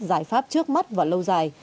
giải pháp trước mắt và lâu dài